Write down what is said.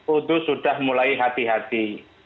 itu sudah mulai hati hati